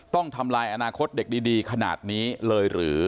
ต้องทำลายอนาคตเด็กดีขนาดนี้เลยหรือ